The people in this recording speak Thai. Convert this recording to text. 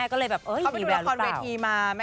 ก็เลยแบบเอ้ยมีแบบหรือเปล่าเขาไปดูละครเวทีมา